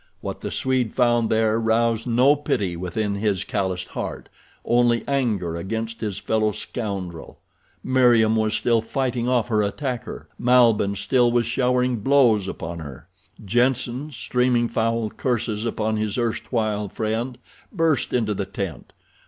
What the Swede found there roused no pity within his calloused heart, only anger against his fellow scoundrel. Meriem was still fighting off her attacker. Malbihn still was showering blows upon her. Jenssen, streaming foul curses upon his erstwhile friend, burst into the tent.